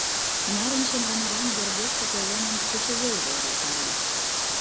Нарынче мраморан йыргешке пӧлемым кечыйол волгалтара.